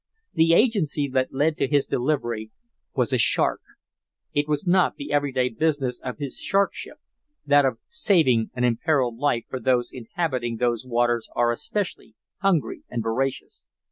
The agency that led to his delivery was a shark. That was not the every day business of his shark ship that of saving an imperiled life for those inhabitating those waters are especially hungry and voracious.